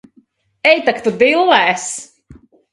Ej tak tu dillēs!